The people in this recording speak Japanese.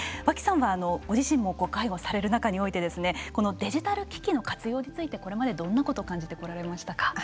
和氣さんはあのご自身も介護される中においてですねこのデジタル機器の活用についてこれまでどんなことを感じてこられましたか？